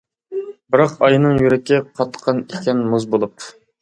بىراق ئاينىڭ يۈرىكى، قاتقان ئىكەن مۇز بولۇپ.